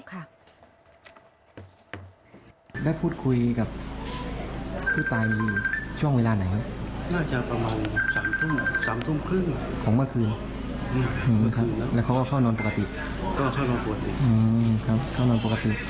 ถ้ารู้ว่ายาลดความอ้วนด้วยก็ดี